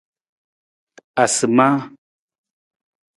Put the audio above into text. Asimaa.